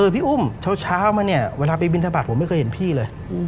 พี่อุ้มเช้ามาเนี่ยเวลาไปบินทบาทผมไม่เคยเห็นพี่เลย